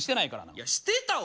いやしてたわ！